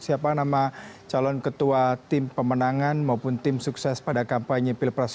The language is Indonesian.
siapa nama calon ketua tim pemenangan maupun tim sukses pada kampanye pilpres dua ribu sembilan belas